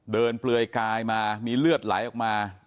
เปลือยกายมามีเลือดไหลออกมา